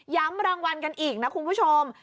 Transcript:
รางวัลกันอีกนะคุณผู้ชม